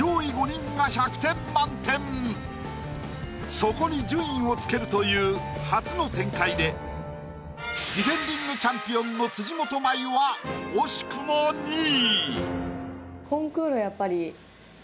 そこに順位をつけるという初の展開でディフェンディングチャンピオンの辻元舞は惜しくも２位。